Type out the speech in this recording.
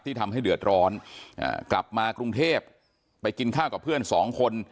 ทำให้เดือดร้อนกลับมากรุงเทพไปกินข้าวกับเพื่อนสองคน